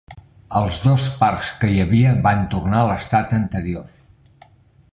Els dos parcs que hi havia van tornar a l'estat anterior.